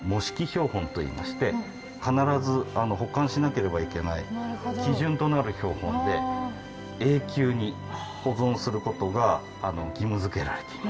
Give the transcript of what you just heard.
標本といいまして必ず保管しなければいけない基準となる標本で永久に保存することが義務づけられています。